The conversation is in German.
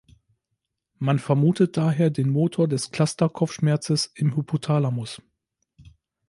Man vermutet daher den Motor des Cluster-Kopfschmerzes im Hypothalamus.